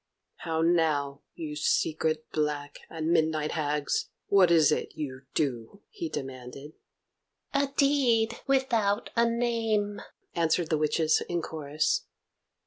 "How now, you secret, black, and midnight hags? What is it you do?" he demanded. "A deed without a name," answered the witches in chorus.